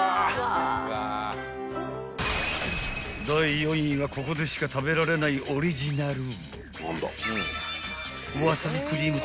［第４位はここでしか食べられないオリジナル］